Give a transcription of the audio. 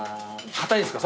硬いんすか？